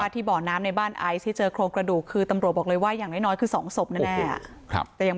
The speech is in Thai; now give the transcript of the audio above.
ก็ไม่ออกมาหรอก